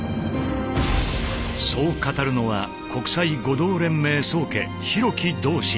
そう語るのは国際護道連盟宗家廣木道心。